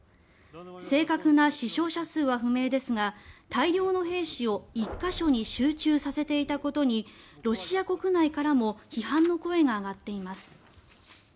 正確な死傷者数は不明ですが大量の兵士を１か所に集中させていたことにロシア国内からも批判の声が上がっています。